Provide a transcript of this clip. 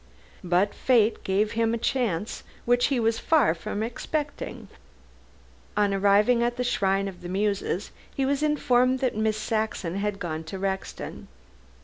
But Fate gave him a chance which he was far from expecting. On arriving at the "Shrine of the Muses" he was informed that Miss Saxon had gone to Rexton.